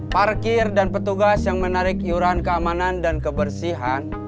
parkir dan petugas yang menarik iuran keamanan dan kebersihan